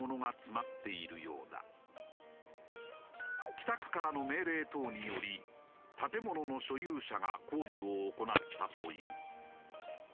北区からの命令等により建物の所有者が工事を行ったという。